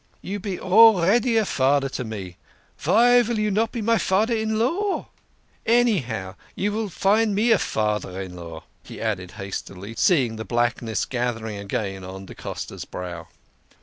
"You be already a fader to me vy vill you not be a fader in law? Anyhow, you vill find me a fader in law," he added hastily, seeing the blackness gathering again on da Costa's brow.